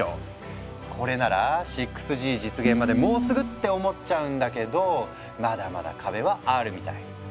これなら６Ｇ実現までもうすぐって思っちゃうんだけどまだまだ壁はあるみたい。